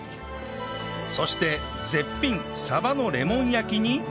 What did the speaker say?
そして絶品サバのレモン焼きに